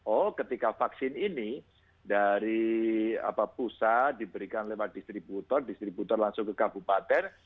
oh ketika vaksin ini dari pusat diberikan lewat distributor distributor langsung ke kabupaten